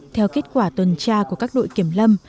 theo kết quả tuần tra của các đội kiểm lâm